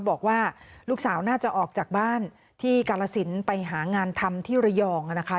บอกว่าลูกสาวน่าจะออกจากบ้านที่กาลสินไปหางานทำที่ระยองนะคะ